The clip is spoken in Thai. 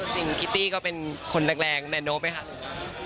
จริงคิตตี้ก็เป็นคนแรกแนนโนมันไหมคะ